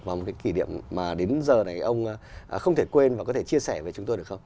và một cái kỷ niệm mà đến giờ này ông không thể quên và có thể chia sẻ với chúng tôi được không